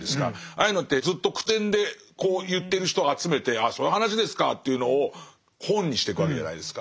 ああいうのってずっと口伝で言ってる人を集めてああそういう話ですかというのを本にしてくわけじゃないですか。